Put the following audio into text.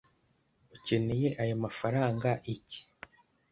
ukeneye aya mafranga iki?